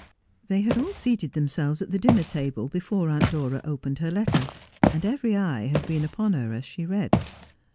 They had all seated themselves at the dinner table before Aunt Dora opened her letter, and every eye had been upon her as she read.